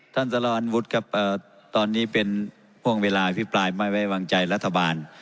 ท่านสลันวุฒิครับเอ่อตอนนี้เป็นห้วงเวลาพี่ปลายไม่ไว้วางใจรัฐบาล